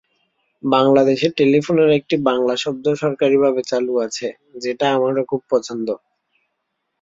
বাংলাদেশে টেলিফোনের একটি বাংলা শব্দ সরকারিভাবে চালু আছে, যেটা আমারও খুব পছন্দ।